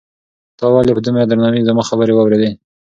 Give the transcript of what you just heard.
تا ولې په دومره درناوي زما خبرې واورېدې؟